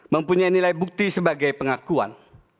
mempunyai nilai bukti sebagai pengakuan